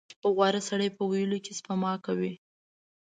• غوره سړی په ویلو کې سپما کوي.